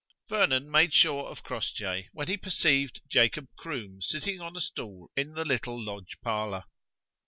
Vernon made sure of Crossjay when he perceived Jacob Croom sitting on a stool in the little lodge parlour.